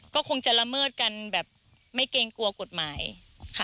ก็คงจะละเมิดกันแบบไม่เกรงกลัวกฎหมายค่ะ